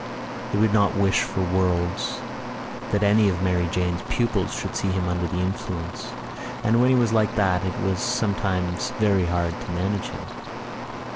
They would not wish for worlds that any of Mary Jane's pupils should see him under the influence; and when he was like that it was sometimes very hard to manage him.